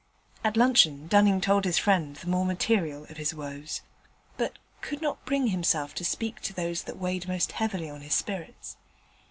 At luncheon Dunning told his friend the more material of his woes, but could not bring himself to speak of those that weighed most heavily on his spirits.